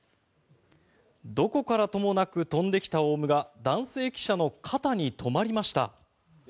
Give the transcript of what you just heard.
どこからともなく飛んできたオウムが男性記者の肩に止まりました。